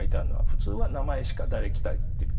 普通は名前しか誰来たって。